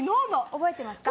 覚えてますか？